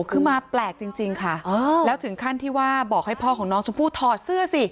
คือมาแปลกจริงค่ะแล้วถึงขั้นที่ว่าบอกให้พ่อของน้องชมพู่ถอดเสื้อสิ